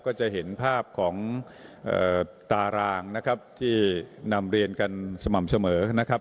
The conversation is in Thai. ก็จะเห็นภาพของตารางนะครับที่นำเรียนกันสม่ำเสมอนะครับ